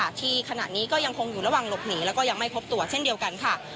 ที่ขณะนี้ก็ยังคงอยู่ระหว่างหลบหนีแล้วก็ยังไม่พบตัวเช่นเดียวกันค่ะ